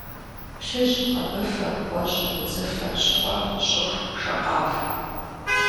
Плъыжь, къэбыфэ, гъуэжь, удзыфэ, щхъуэ, щӏыху, шакъафэ.